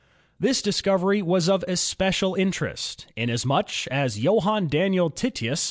This discovery was of especial interest, inasmuch as Johann Daniel Titius